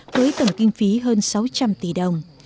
với tổng kinh phí hơn sáu trăm linh tỷ đồng